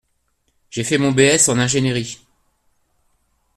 J’ai fait mon B.S en ingénierie.